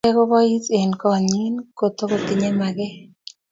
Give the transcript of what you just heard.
Ngobwa neranik agichek kobois eng kot nyi kotukotinyei maket